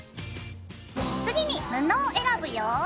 次に布を選ぶよ。